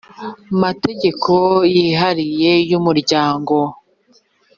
mategeko yihariye y umuryango